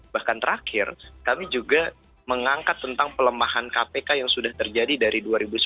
bahkan terakhir kami juga mengangkat tentang pelemahan kpk yang sudah terjadi dari dua ribu sembilan belas